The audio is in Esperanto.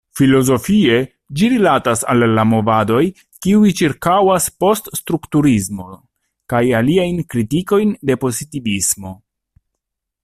Filozofie, ĝi rilatas al la movadoj kiuj ĉirkaŭas post-strukturismon kaj aliajn kritikojn de pozitivismo.